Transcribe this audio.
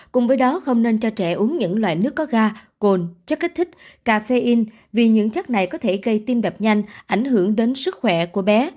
cùng với đó không nên cho trẻ uống những loại nước có ga cồn chất kích thích cà phê in vì những chất này có thể gây tim đập nhanh ảnh hưởng đến sức khỏe của bé